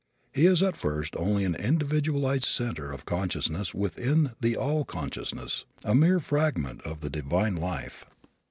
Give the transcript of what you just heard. He is at first only an individualized center of consciousness within the All Consciousness, a mere fragment of the divine life.